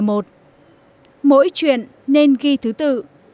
mỗi chuyện nên ghi thứ tư